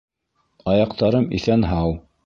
Аяҡтарым иҫән-һау.